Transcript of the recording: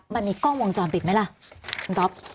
มันมีกล้องวงจรปิดไหมล่ะคุณก๊อฟ